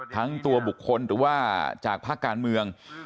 ทั้งตัวบุคคลหรือว่าจากภาคการเมือง